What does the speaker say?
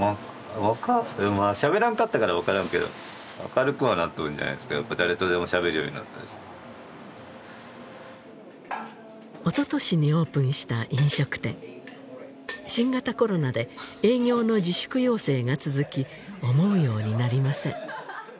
まあしゃべらんかったから分からんけど明るくはなっとるんじゃないですかやっぱ誰とでもしゃべるようになったしおととしにオープンした飲食店新型コロナで営業の自粛要請が続き思うようになりません